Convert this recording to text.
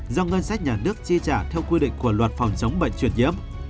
do ngân sách nhà nước chi trả theo quy định của luật phòng chống bệnh truyền nhiễm